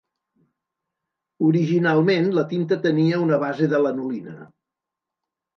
Originalment, la tinta tenia una base de lanolina.